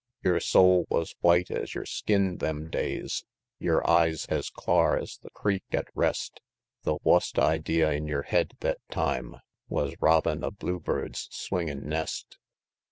XX. "Yer soul wus white es yer skin them days, Yer eyes es clar es the creek at rest; The wust idee in yer head thet time Wus robbin' a bluebird's swingin' nest.